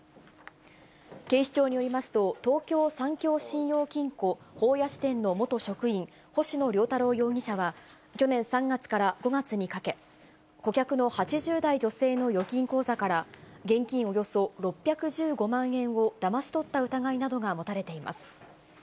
警視庁によりますと、東京三協信用金庫保谷支店の元職員、星野遼太郎容疑者は、去年３月から５月にかけ、顧客の８０代女性の預金口座から、現金およそ６１５万円をだまし取った疑いなどが持たれています。